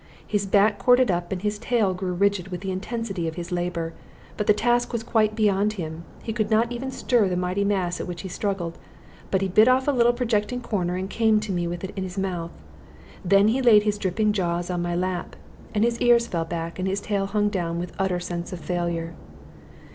His back corded up, and his tail grew rigid with the intensity of his labor, but the task was quite beyond him. He could not even stir the mighty mass at which he struggled, but he bit off a little projecting corner, and came to me with it in his mouth. Then he laid his dripping jaws on my lap, and his ears fell back, and his tail hung down with utter sense of failure.